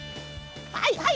はいはい！